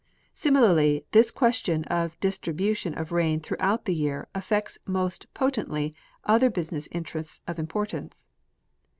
Similarly, this question of distribu tion of rain throughout the year affects most potently other busi ness interests of importance.